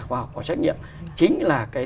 khoa học có trách nhiệm chính là cái